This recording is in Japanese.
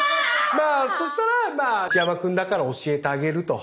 そしたら「内山君だから教えてあげる」と。